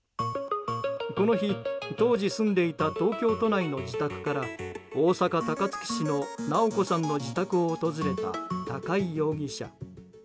この日、当時住んでいた東京都内の自宅から大阪・高槻市の直子さんの自宅を訪れた高井容疑者。